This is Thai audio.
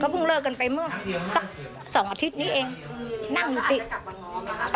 เขาเพิ่งเลิกกันไปเมื่อสักสองอาทิตย์นี้เองนั่งอยู่ติ๊ก